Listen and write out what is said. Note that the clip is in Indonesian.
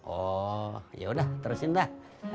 oh yaudah terusin dah